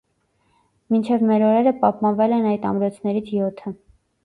Մինչև մեր օրերը պահպանվել են այդ ամրոցներից յոթը։